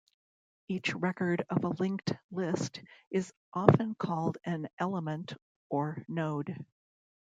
Each record of a linked list is often called an 'element' or 'node'.